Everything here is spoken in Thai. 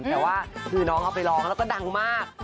แต่ว่าคือน้องเอาไปร้องแล้วก็ดังมาก